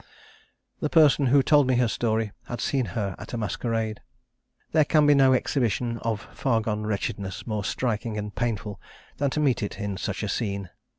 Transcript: "The person who told me her story had seen her at a masquerade. There can be no exhibition of far gone wretchedness more striking and painful than to meet it in such a scene.